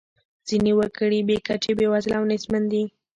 ځینې وګړي بې کچې بیوزله او نیستمن دي.